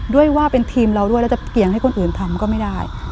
ด้วยว่าเป็นทีมเราด้วยแล้วจะเกี่ยงให้คนอื่นทำก็ไม่ได้